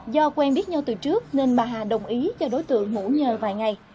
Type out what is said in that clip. do quen biết nhau từ trước nên bà hà đồng ý cho đối tượng ngủ nhờ vài ngày